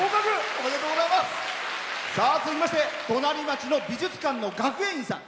続きまして隣町の美術館の学芸員さん。